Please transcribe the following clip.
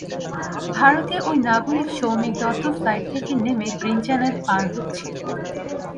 ভারতীয় ওই নাগরিক সৌমিক দত্ত ফ্লাইট থেকে নেমে গ্রিন চ্যানেল পার হচ্ছিলেন।